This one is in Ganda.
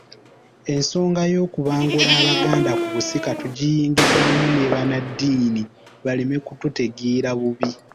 Ensonga y'okubangula Abaganda ku busika tugiyingizzaamu ne bannaddiini baleme kututegeera bubi.